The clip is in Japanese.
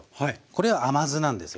これは甘酢なんですよ。